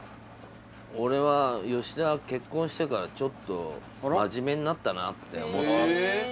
俺は吉田は結婚してからちょっと真面目になったなって思ってるえっ